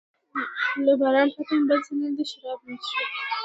له باران پرته مې بل څه نه لیدل، شراب مې و څښل.